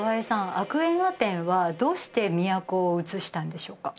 アクエンアテンはどうして都を移したんでしょうか？